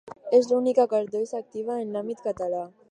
És l'única cartoixa activa en l'àmbit català.